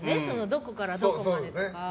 どこからどこまでとか。